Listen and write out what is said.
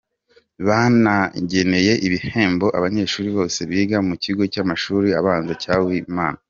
Banageneye ibihembo Abanyeshuri bose biga mu kigo cy’amashuri abanza cya Wimana.